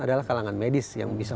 adalah kalangan medis yang bisa